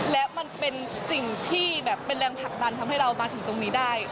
และมันเป็นสิ่งที่แบบเป็นแรงผลักดันทำให้เรามาถึงตรงนี้ได้